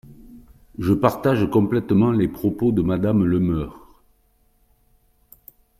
Je partage complètement les propos de Madame Le Meur.